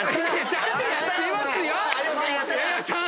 ちゃんとやってますよ！